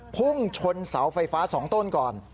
พุ่งชนเสาไฟฟ้า๒ต้นก่อน